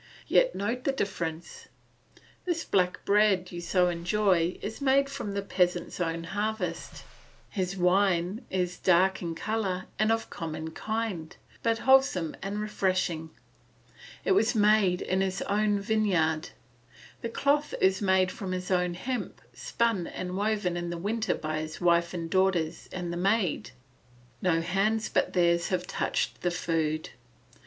Yet note the difference this black bread you so enjoy is made from the peasant's own harvest; his wine is dark in colour and of a common kind, but wholesome and refreshing; it was made in his own vineyard; the cloth is made of his own hemp, spun and woven in the winter by his wife and daughters and the maid; no hands but theirs have touched the food.